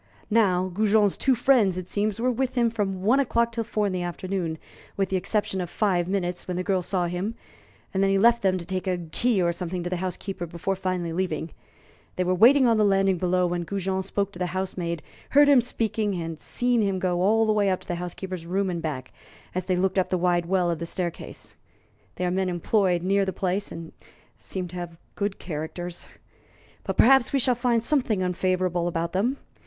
Now, Goujon's two friends, it seems, were with him from one o'clock till four in the afternoon, with the exception of five minutes when the girl saw him, and then he left them to take a key or something to the housekeeper before finally leaving. They were waiting on the landing below when Goujon spoke to the housemaid, heard him speaking, and had seen him go all the way up to the housekeeper's room and back, as they looked up the wide well of the staircase. They are men employed near the place, and seem to have good characters. But perhaps we shall find something unfavorable about them.